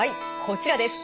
こちらです。